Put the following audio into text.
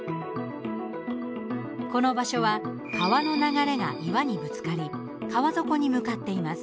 この場所は川の流れが岩にぶつかり川底に向かっています。